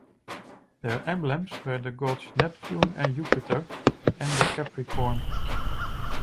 Their emblems were the gods Neptune and Jupiter and the Capricorn.